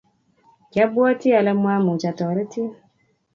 kiabwatii ale mwamuch atoretin.